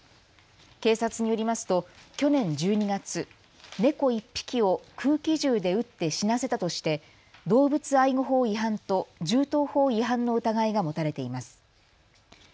警察によりますと去年１２月、猫１匹を空気銃で撃って死なせたとして動物愛護法違反と銃刀法違反の疑いが持たれています。